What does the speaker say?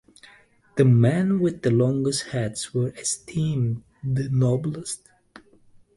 The men with the longest heads were esteemed the noblest.